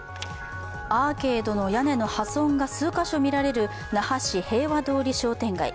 アーケードの屋根の破損が数か所見られる那覇市平和通り商店街。